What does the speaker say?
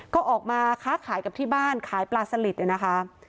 ก็ออกมาค้าขายกับที่บ้านขายปลาสลิดเนี่ยนะคะ